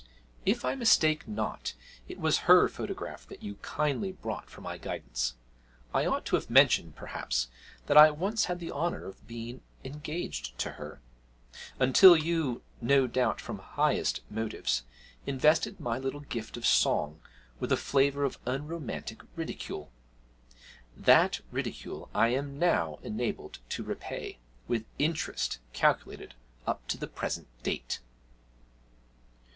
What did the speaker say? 'If I mistake not, it was her photograph that you kindly brought for my guidance. I ought to have mentioned, perhaps, that I once had the honour of being engaged to her until you (no doubt from the highest motives) invested my little gift of song with a flavour of unromantic ridicule. That ridicule I am now enabled to repay, with interest calculated up to the present date.'